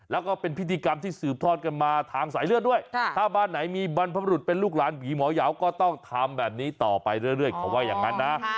แล้วก็เป็นพิธีกรรมที่สืบทอดกันมาทางสายเลือดด้วยถ้าบ้านไหนมีบรรพบรุษเป็นลูกหลานผีหมอยาวก็ต้องทำแบบนี้ต่อไปเรื่อยเขาว่าอย่างนั้นนะ